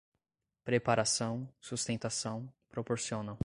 preparação, sustentação, proporcionam